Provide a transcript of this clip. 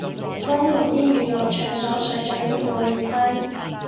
江門啲娛樂場所水準越來越低